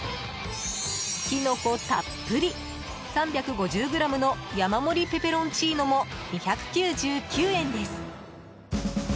キノコたっぷり、３５０ｇの山盛りペペロンチーノも２９９円です。